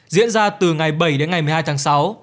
diễn ra từ ngày bảy đến ngày một mươi hai tháng sáu